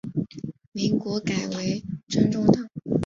民国改为滇中道。